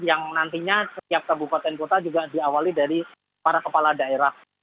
yang nantinya setiap kabupaten kota juga diawali dari para kepala daerah